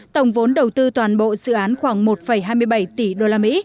tổng vốn đầu tư toàn bộ dự án khoảng một hai mươi bảy tỷ usd